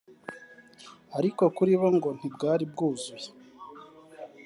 ariko kuri bo ngo ntibwari bwuzuye